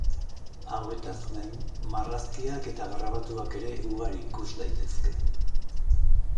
Hauetaz gain marrazkiak eta grabatuak ere ugari ikus daitezke.